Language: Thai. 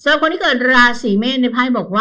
สำหรับคนที่เกิดราวสีเมษในภายบอกว่า